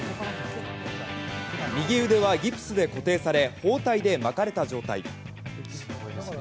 右腕はギプスで固定され包帯で巻かれた状態。